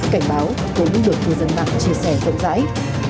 cảnh báo của lực lượng của dân mạng chia sẻ rộng rãi